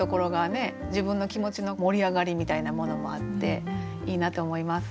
自分の気持ちの盛り上がりみたいなものもあっていいなと思います。